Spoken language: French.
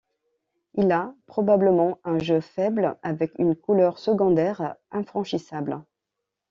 Il a probablement un jeu faible avec une couleur secondaire affranchissable.